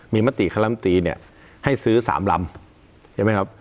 มีมติคณะมตรีเนี่ยให้ซื้อ๓ลำใช่ไหมครับ